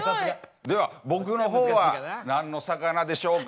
では僕の方は何の魚でしょうか。